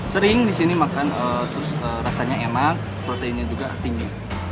sering disini makan rasanya enak proteinnya juga tinggi